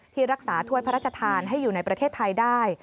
รักษาถ้วยพระราชทานให้อยู่ในประเทศไทยได้